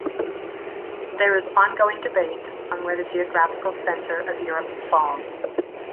There is ongoing debate on where the geographical centre of Europe falls.